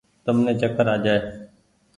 تم ني چڪر آ جآئي ۔